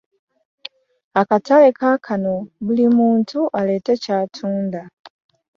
Akatale kaakano buli muntu aleete ky'atunda.